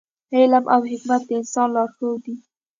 علم او حکمت د انسان لارښود دی.